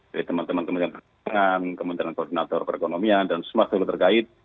dari teman teman kementerian pertanian kementerian koordinator perekonomian dan semua seluruh terkait